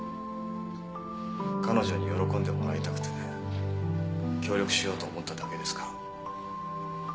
彼女に喜んでもらいたくて協力しようと思っただけですから。